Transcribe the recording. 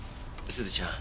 すずちゃん。